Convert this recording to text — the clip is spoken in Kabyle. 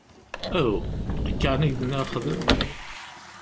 Aw! Akk-a ɛni ay ak-d-nniɣ xdem?